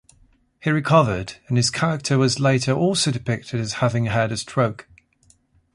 He recovered and his character was later also depicted as having had a stroke.